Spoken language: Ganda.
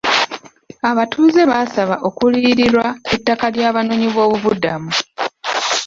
Abatuuze baasaba okuliyirirwa ettaka ly'abanoonyi boobubudamu.